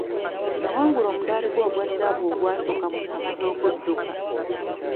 Yawangula omudaali gwe ogwa zzaabu ogwasooka mu mpaka z'okudduka.